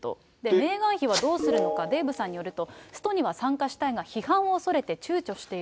メーガン妃はどうするのか、デーブさんによるとストには参加したいが、批判を恐れてちゅうちょしていると。